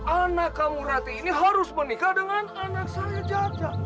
anak kamu rati ini harus menikah dengan anak saya jaja